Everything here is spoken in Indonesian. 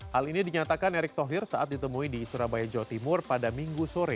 hal ini dinyatakan erick thohir saat ditemui di surabaya jawa timur pada minggu sore